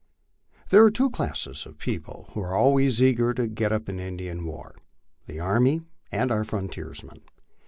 ^ rriHERE are two classes of people who are always eager to get up an 1 Indian war the army and our frontiersmen."